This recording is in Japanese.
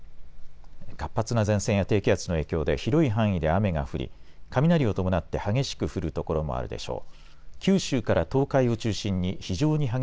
活発な前線や低気圧の影響で広い範囲で雨が降り雷を伴って激しく降る所もあるでしょう。